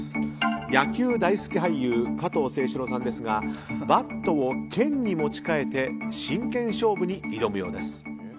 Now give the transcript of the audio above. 野球大好き俳優加藤清史郎さんですがバットを剣に持ち替えて真剣勝負に挑むようです。